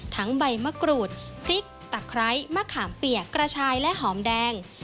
ใบมะกรูดพริกตะไคร้มะขามเปียกกระชายและหอมแดง